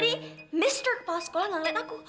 kepala sekolah tadi nggak liat aku